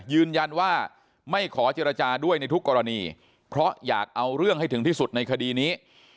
ยืนยันว่าไม่ขอเจรจาด้วยในทุกกรณีเพราะอยากเอาเรื่องให้ถึงที่สุดในคดีนี้